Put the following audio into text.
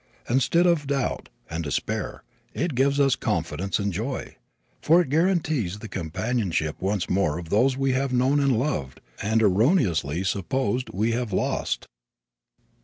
Instead of doubt and despair it gives us confidence and joy, for it guarantees the companionship once more of those we have known and loved, and erroneously supposed we have lost.